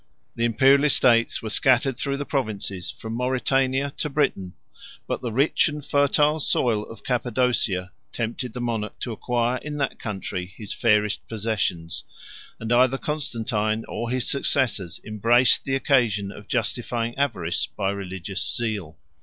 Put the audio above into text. The Imperial estates were scattered through the provinces, from Mauritania to Britain; but the rich and fertile soil of Cappadocia tempted the monarch to acquire in that country his fairest possessions, 153 and either Constantine or his successors embraced the occasion of justifying avarice by religious zeal.